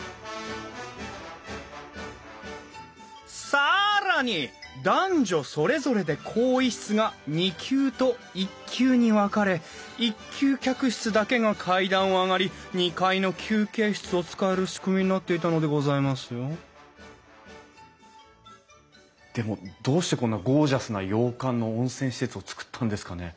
更に男女それぞれで更衣室が２級と１級に分かれ１級客室だけが階段を上がり２階の休憩室を使える仕組みになっていたのでございますよでもどうしてこんなゴージャスな洋館の温泉施設をつくったんですかね？